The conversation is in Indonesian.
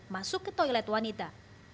masuk ke toilet wanita